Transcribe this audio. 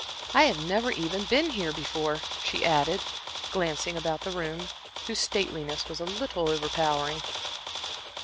"I have never even been here before," she added, glancing about the room, whose stateliness was a little overpowering.